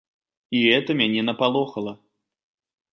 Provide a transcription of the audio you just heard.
І гэта мяне напалохала.